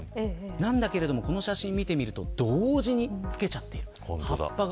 なんだけれどもこの写真を見ると同時につけちゃっている。